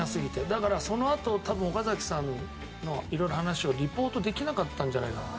だからそのあと多分岡崎さんの色んな話をリポートできなかったんじゃないかなと。